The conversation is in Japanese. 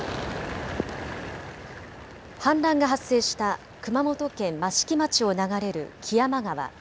氾濫が発生した熊本県益城町を流れる木山川。